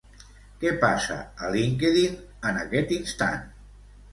Què passa a LinkedIn en aquest instant?